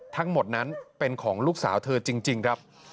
ทั้งหมดนั้นเป็นของลูกสาวเธอจริงครับ